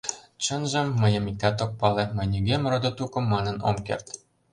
Чынжым, мыйым иктат ок пале, мый нигӧм родо-тукым манын ом керт.